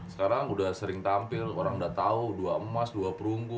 sekarang udah sering tampil orang udah tau dua emas dua perungku